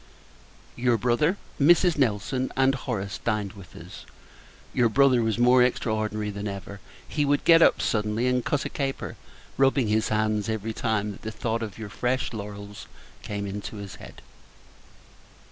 Your brother, Mrs. Nelson, and Horace, dined with us. Your brother was more extraordinary than ever. He would get up suddenly, and cut a caper; rubbing his hands every time that the thought of your fresh laurels came into his head.